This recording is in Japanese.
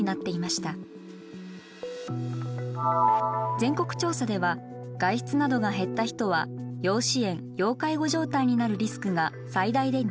全国調査では外出などが減った人は要支援・要介護状態になるリスクが最大で２倍。